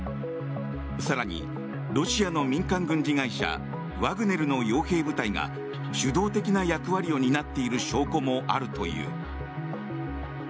更に、ロシアの民間軍事会社ワグネルの傭兵部隊が主導的な役割を担っている証拠もあるという。